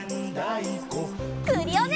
クリオネ！